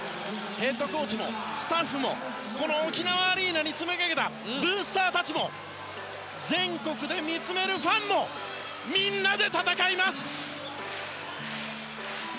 ヘッドコーチも、スタッフもこの沖縄アリーナに詰めかけたブースターたちも全国で見つめるファンもみんなで戦います！